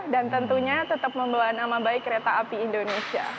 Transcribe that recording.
dan tentunya tetap membawa nama baik kereta api indonesia